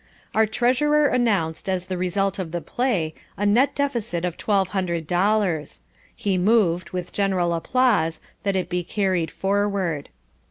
Our treasurer announced, as the result of the play, a net deficit of twelve hundred dollars. He moved, with general applause, that it be carried forward.